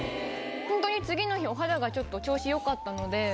本当に次の日、お肌がちょっと調子よかったので。